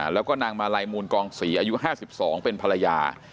แล้วก็นางมาลัยมูลกองศรีอายุ๕๒เป็นภรรยา